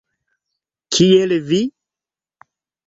- Kiel vi?